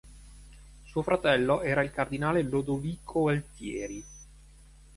Suo fratello era il cardinale Lodovico Altieri.